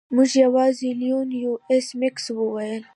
موږ یوازې لیوان یو ایس میکس وویل